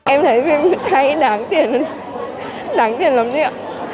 em thấy phim hay đáng tiền đáng tiền lắm đấy ạ